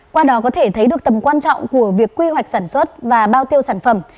qua đó có thể thấy được tầm quan trọng của việc quy hoạch sản xuất và bao tiêu sản phẩm